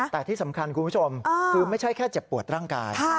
แต่ที่สำคัญคุณผู้ชมคือไม่ใช่แค่เจ็บปวดร่างกาย